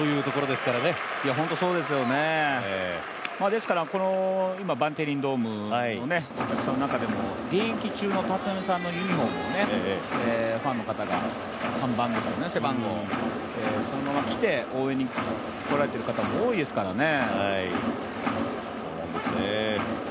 ですから、バンテリンドームの中でも、現役中の立浪さんのユニフォームをね、ファンの方が３番ですね、背番号そのまま着て応援に来られてる方も多いですからね。